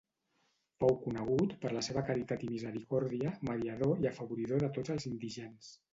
Fou conegut per la seva caritat i misericòrdia, mediador i afavoridor de tots els indigents.